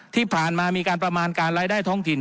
ที่ผ่านมามีการประมาณการรายได้ท้องถิ่น